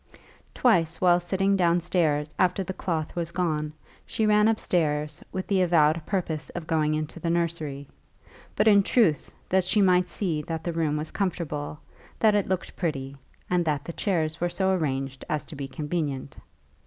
Twice while sitting downstairs after the cloth was gone she ran upstairs with the avowed purpose of going into the nursery, but in truth that she might see that the room was comfortable, that it looked pretty, and that the chairs were so arranged as to be convenient.